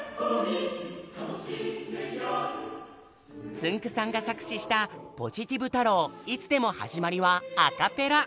つんくさんが作詞した「ポジティブ太郎いつでも始まり」はアカペラ。